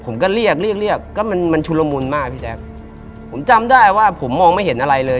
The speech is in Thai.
ผมก็เรียกเรียกเรียกก็มันมันชุลมุนมากพี่แจ๊คผมจำได้ว่าผมมองไม่เห็นอะไรเลย